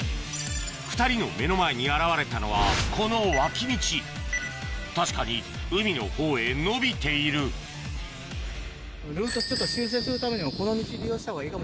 ２人の目の前に現れたのはこの脇道確かに海のほうへ延びているルートちょっと修正するためにもこの道利用したほうがいい。